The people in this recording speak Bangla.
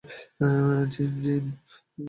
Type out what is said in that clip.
জিন, জিন!